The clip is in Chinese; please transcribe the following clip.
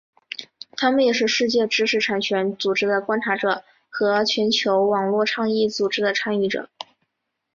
他们也是世界知识产权组织的观察员和全球网络倡议组织的参与者。